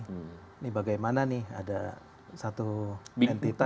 ini bagaimana nih ada satu entitas